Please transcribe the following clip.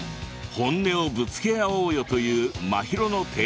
本音をぶつけ合おうよというまひろの提案